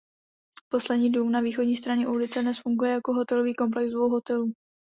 Poslední dům na východní straně ulice dnes funguje jako hotelový komplex dvou hotelů.